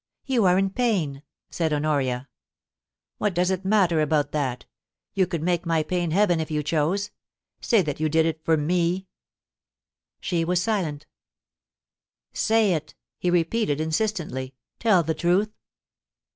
* You are in pain,' said Honoria. * What does it matter about that ? You could make my pain heaven if you chose. Say that you did it for me,* She was silent 'Say it,' he repeated insistently. *Tell the truth.'